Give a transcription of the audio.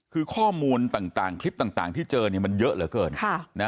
คือข้อมูลต่างคลิปต่างที่เจอมันเยอะเหลือเกิน